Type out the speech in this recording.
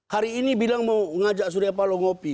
hari ini bilang mau ngajak pak surya paloh ngopi